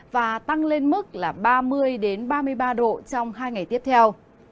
và tăng lên mức là ba mươi ba mươi ba độ trong hai ngày tiếp theo